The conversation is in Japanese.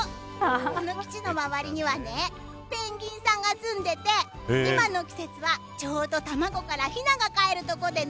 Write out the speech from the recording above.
基地の周りにはねペンギンさんが住んでて今の季節は、ちょうど卵から雛がかえるところでね。